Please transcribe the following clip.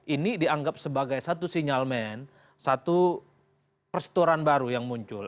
ini dianggap sebagai satu sinyalmen satu persetoran baru yang muncul